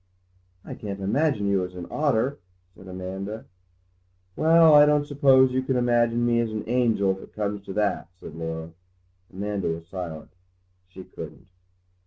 "I can't imagine you as an otter," said Amanda. "Well, I don't suppose you can imagine me as an angel, if it comes to that," said Laura. Amanda was silent. She couldn't.